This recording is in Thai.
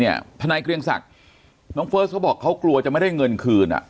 ไปพนักกรุยกิริวสักน้องเฟิร์สก็บอกเขากลัวจะไม่ได้เงินคืน